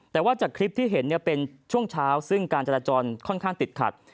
แต่ว่าจากคลิปที่เห็นเป็นช่วงเช้าซึ่งการจราจรค่อนข้างติดขัด